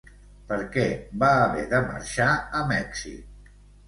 Per què va haver de marxar a Mèxic?